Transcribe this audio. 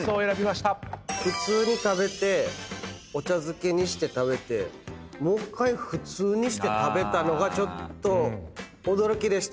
普通に食べてお茶漬けにして食べてもう１回普通にして食べたのがちょっと驚きでしたよ。